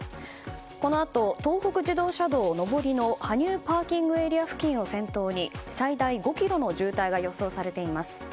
このあと、東北自動車道上りの羽生ＰＡ付近を先頭に最大５ｋｍの渋滞が予想されています。